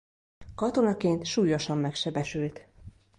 Katonaként súlyosan megsebesült.